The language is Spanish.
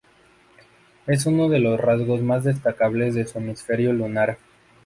Es uno de los rasgos más destacables de su hemisferio lunar.